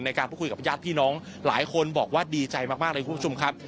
ในการพูดคุยกับญาติพี่น้องหลายคนบอกว่าดีใจมากเลยคุณผู้ชมครับ